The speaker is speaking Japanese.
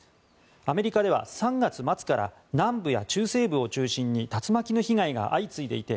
アメリカでは３月末から南部や中西部を中心に竜巻の被害が相次いでいて